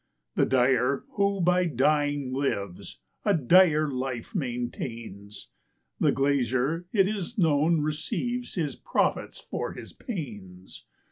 The dyer, who by dying lives, a dire life maintains; The glazier, it is known, receives his profits for his panes.